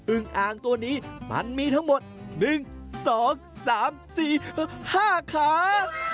อ่างตัวนี้มันมีทั้งหมด๑๒๓๔๕ขา